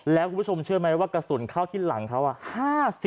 แล้วกูเชิญมั้ยว่ากระสุนเข้าที่หลังเค้าอ่ะ